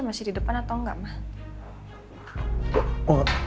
masih di depan atau enggak mbak